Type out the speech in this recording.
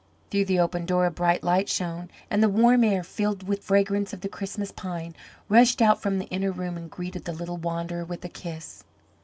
Through the open door a bright light shone, and the warm air, filled with fragrance of the Christmas pine, rushed out from the inner room and greeted the little wanderer with a kiss.